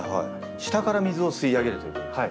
下から水を吸い上げるということですか？